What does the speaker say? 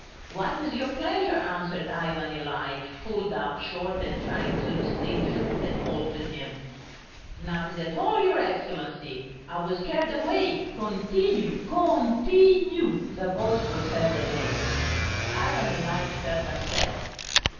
"What is your pleasure?" answered Ivan Ilyitch, pulled up short and trying to distinguish who had called to him. "Nothing at all, your Excellency. I was carried away, continue! Con ti nue!" the voice was heard again. Ivan Ilyitch felt upset.